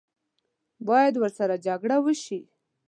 باید ورسره جګړه وشي.